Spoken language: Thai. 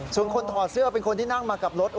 ส่วนคนถอดเสื้อเป็นคนที่นั่งมากับรถ